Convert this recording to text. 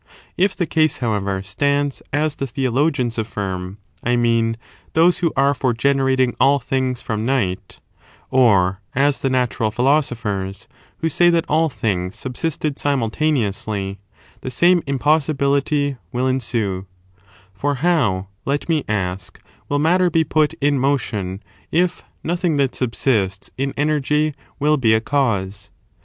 If the case, however, stands as the Theologians 4. xhe neces affirm — I mean, those who are for generating all «i'y of this things from Night ^— or as the Natural Philo cause^nvoTved sophers, who say that all things subsisted simul ^\heph*8i * taneously, the same impossibility will ensue, cists and theo For how, let me ask, will matter be put in ^®*^^*°* motion if nothing that subsists in energy will be a cause?